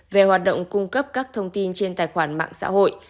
về hoạt động cung cấp các thông tin trên tài khoản mạng xã hội